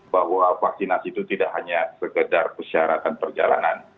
bahwa vaksinasi itu tidak hanya sekedar persyaratan perjalanan